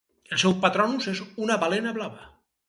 El seu patronus és una balena blava.